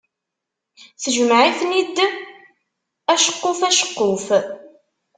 Tejmeɛ-iten-d aceqquf aceqquf.